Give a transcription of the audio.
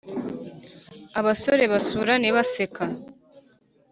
Abasore basurane baseka